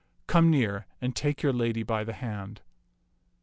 Come near and take your lady by the hand."